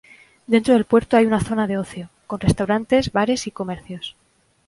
Dentro del puerto hay una zona de ocio, con restaurantes, bares y comercios.